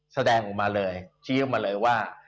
แสดงออกมาเลยชี้ออกมาเลยว่า